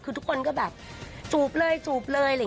คือทุกคนก็แบบจูบเลยจูบเลย